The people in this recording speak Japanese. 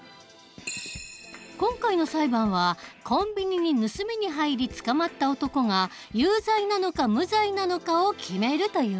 今回の裁判はコンビニに盗みに入り捕まった男が有罪なのか無罪なのかを決めるというものだ。